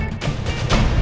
tidak ada apa apa